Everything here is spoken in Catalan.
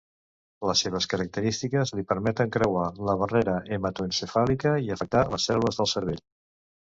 Les seves característiques li permeten creuar la barrera hematoencefàlica i afectar les cèl·lules del cervell.